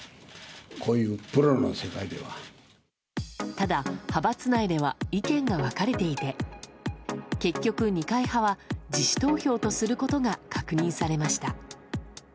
ただ、派閥内では意見が分かれていて結局、二階派は自主投票とすることが確認されました。